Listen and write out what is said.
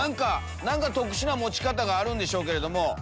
何か特殊な持ち方があるんでしょうけど。